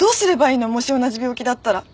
もし同じ病気だったら。